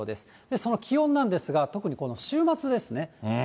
その気温なんですが、特にこの週末ですね。